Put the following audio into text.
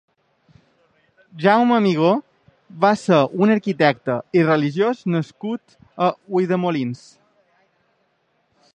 Jaume Amigó va ser un arquitecte i religiós nascut a Ulldemolins.